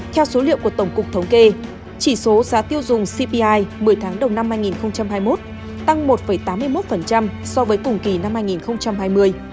theo số liệu của tổng cục thống kê chỉ số giá tiêu dùng cpi một mươi tháng đầu năm hai nghìn hai mươi một tăng một tám mươi một so với cùng kỳ năm hai nghìn hai mươi